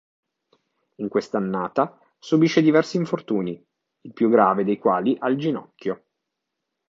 In questa annata subisce diversi infortuni, il più grave dei quali al ginocchio.